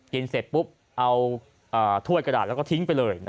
เสร็จปุ๊บเอาถ้วยกระดาษแล้วก็ทิ้งไปเลย